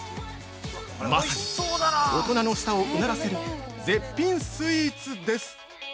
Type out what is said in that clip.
まさに大人の舌を唸らせる絶品スイーツです。